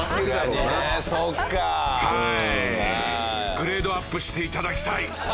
グレードアップして頂きたい！